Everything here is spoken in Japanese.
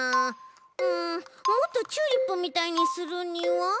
うんもっとチューリップみたいにするには？